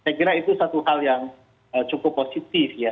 saya kira itu satu hal yang cukup positif ya